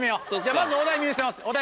まずお題見せますお題